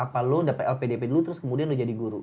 apa lo dapet lpdp dulu terus kemudian lo jadi guru